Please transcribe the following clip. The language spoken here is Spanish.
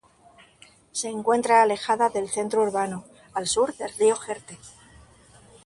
Se encuentra alejada del centro urbano, al sur del río Jerte.